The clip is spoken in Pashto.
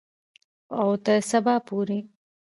او تر سبا پورې.